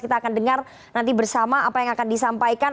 kita akan dengar nanti bersama apa yang akan disampaikan